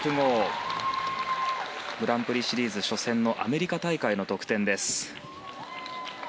グランプリシリーズ初戦のアメリカ大会の得点です。